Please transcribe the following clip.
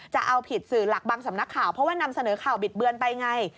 จะเอาผิดสื่อหลักบางสำนักข่าวเพราะว่านำเสนอข่าวบิดเบือนไปไง